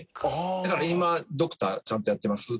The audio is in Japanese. だから今ドクターちゃんとやってます。